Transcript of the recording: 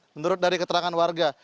menurut dari keterangan warga